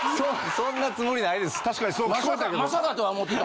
そんなつもりないですって。